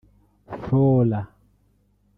Flora